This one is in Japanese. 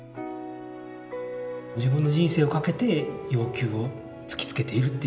自分の人生を懸けて要求を突きつけているっていう。